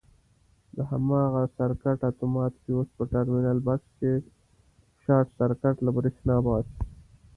د هماغه سرکټ اتومات فیوز په ټرمینل بکس کې شارټ سرکټ له برېښنا باسي.